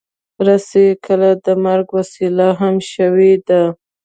رسۍ کله د مرګ وسیله هم شوې ده.